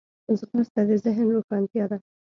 ځغاسته د ذهن روښانتیا ده